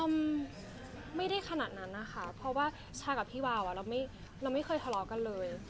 ไม่ได้ขนาดนั้นนะคะเพราะว่าชากับพี่วาวเราไม่เคยทะเลาะกันเลย